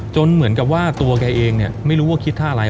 เหมือนกับว่าตัวแกเองเนี่ยไม่รู้ว่าคิดท่าอะไร